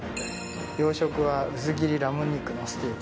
洋食は薄切りラム肉のステーキ。